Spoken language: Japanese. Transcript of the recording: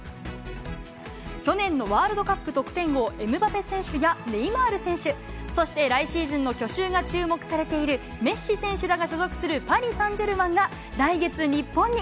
去年のワールドカップ得点王、エムバペ選手やネイマール選手、そして来シーズンの去就が注目されているメッシ選手らが所属するパリサンジェルマンが、来月、日本に。